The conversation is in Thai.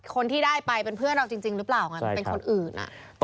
คนที่ได้ไปเป็นเพื่อนเราจริงหรือเปล่าไงมันเป็นคนอื่น